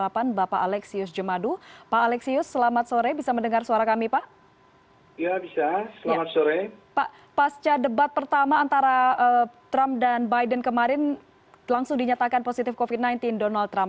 pak pasca debat pertama antara trump dan biden kemarin langsung dinyatakan positif covid sembilan belas donald trump